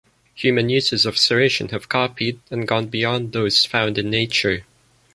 Human uses of serration have copied, and gone beyond, those found in nature.